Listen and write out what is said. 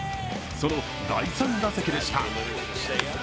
その第３打席でした。